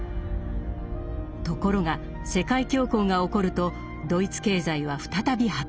ところが世界恐慌が起こるとドイツ経済は再び破綻。